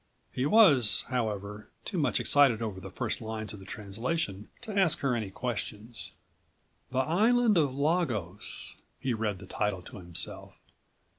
He was, however, too much excited over the first lines of the translation to ask her any questions. "The Island of Lagos." He read the title to himself.